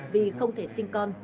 vì không thể sinh con